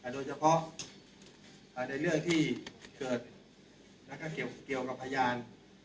โดยเฉพาะในเรื่องที่เกิดและเกี่ยวกับพยาน